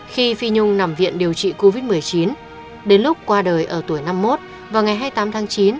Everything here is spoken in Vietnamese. khi phi nhung nằm viện điều trị covid một mươi chín đến lúc qua đời ở tuổi năm mươi một vào ngày hai mươi tám tháng chín